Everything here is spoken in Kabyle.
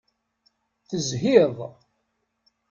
Tezhiḍ.